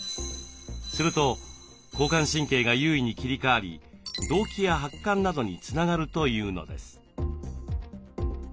すると交感神経が優位に切り替わり動悸や発汗などにつながるというのです。